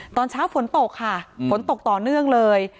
ตอนเช้าฝนตกค่ะฝนตกต่อเนื่องเลย